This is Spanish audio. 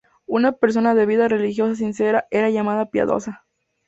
Una persona de vida religiosa sincera, era llamada piadosa.